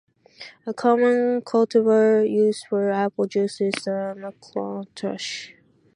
A common cultivar used for apple juice is the McIntosh.